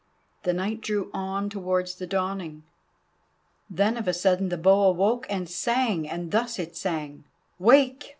The night drew on towards the dawning, when of a sudden the Bow awoke and sang, and thus it sang: "Wake!